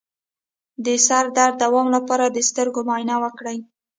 د سر درد د دوام لپاره د سترګو معاینه وکړئ